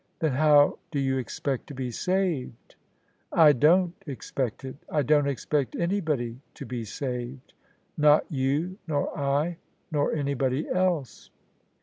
"Then how do you expect to be saved?" " I don't expect it. I don't expect anybody to be saved — not you nor I nor anybody else."